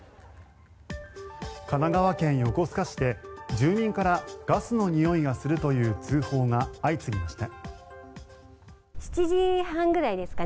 神奈川県横須賀市で住民からガスのにおいがするという通報が相次ぎました。